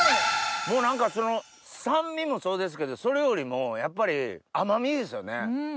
もう何か酸味もそうですけどそれよりもやっぱり甘味ですよね。